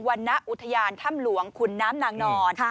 รณอุทยานถ้ำหลวงขุนน้ำนางนอน